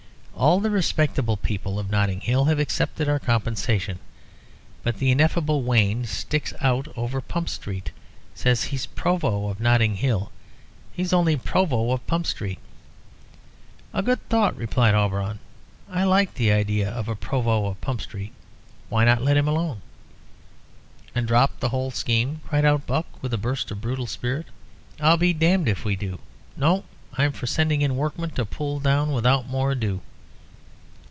All the respectable people of Notting Hill have accepted our compensation. But the ineffable Wayne sticks out over Pump Street. Says he's Provost of Notting Hill. He's only Provost of Pump Street." "A good thought," replied Auberon. "I like the idea of a Provost of Pump Street. Why not let him alone?" "And drop the whole scheme!" cried out Buck, with a burst of brutal spirit. "I'll be damned if we do. No. I'm for sending in workmen to pull down without more ado."